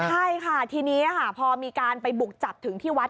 ใช่ค่ะทีนี้พอมีการไปบุกจับถึงที่วัด